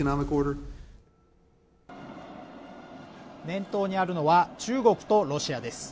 念頭にあるのは中国とロシアです